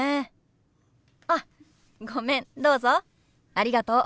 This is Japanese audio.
ありがとう。